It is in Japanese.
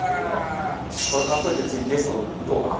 これ買っといて次ゲスト撃とうか。